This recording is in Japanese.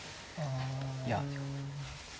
いや。